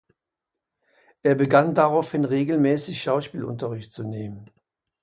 Er begann daraufhin regelmäßig Schauspielunterricht zu nehmen.